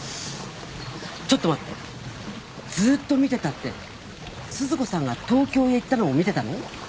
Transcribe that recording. ちょっと待ってずーっと見てたって鈴子さんが東京へ行ったのも見てたの？